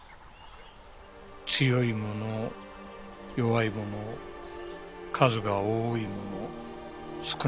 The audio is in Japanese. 強いもの弱いもの数が多いもの少ないもの。